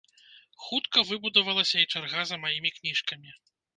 Хутка выбудавалася і чарга за маімі кніжкамі.